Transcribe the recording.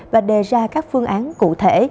và đề ra các phương án cụ thể